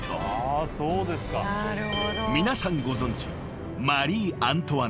［皆さんご存じ］